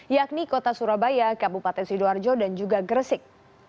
yakni kota surabaya kabupaten sidoarjo dan juga gresik